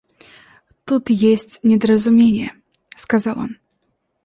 Тут есть недоразумение, — сказал он.